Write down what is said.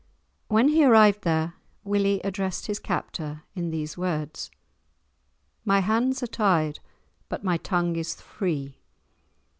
When he arrived there, Willie addressed his captor in these words: "My hands are tied, but my tongue is free.